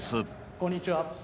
こんにちは。